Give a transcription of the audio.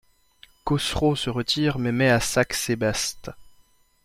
Khosrô se retire mais met à sac Sébaste.